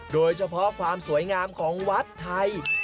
โดยเฉพาะความสวยงามของวัดไทย